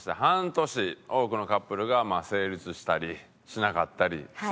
多くのカップルが成立したりしなかったりしてきました。